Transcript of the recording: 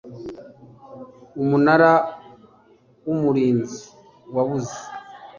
Umunara w Umurinzi wabuze